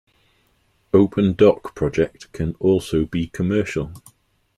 OpenDoc project can also be commercial.